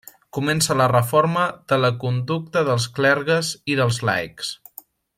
Començà la reforma de la conducta dels clergues i dels laics.